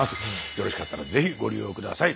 よろしかったらぜひご利用下さい。